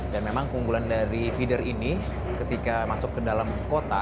dan memang keunggulan dari feeder ini ketika masuk ke dalam kota